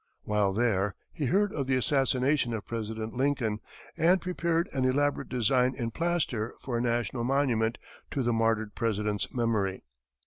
While there, he heard of the assassination of President Lincoln, and prepared an elaborate design in plaster for a national monument to the martyred President's memory.